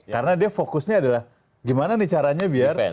karena dia fokusnya adalah gimana nih caranya biar